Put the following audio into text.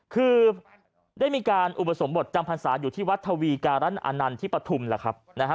คือได้มีการอุปสมบทจำพรรษาอยู่ที่วัดทวีการันอานันต์ที่ปฐุมแล้วครับนะฮะ